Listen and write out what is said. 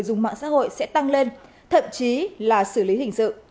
dùng mạng xã hội sẽ tăng lên thậm chí là xử lý hình sự